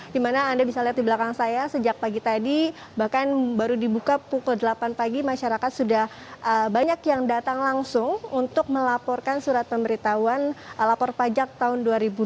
di mana anda bisa lihat di belakang saya sejak pagi tadi bahkan baru dibuka pukul delapan pagi masyarakat sudah banyak yang datang langsung untuk melaporkan surat pemberitahuan lapor pajak tahun dua ribu dua puluh